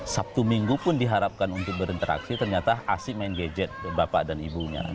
sabtu minggu pun diharapkan untuk berinteraksi ternyata asik main gadget bapak dan ibunya